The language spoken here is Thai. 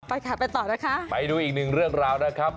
ไปค่ะไปต่อนะคะไปดูอีกหนึ่งเรื่องราวนะครับ